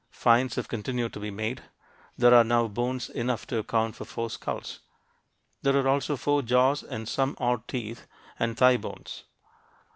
Finds have continued to be made. There are now bones enough to account for four skulls. There are also four jaws and some odd teeth and thigh bones.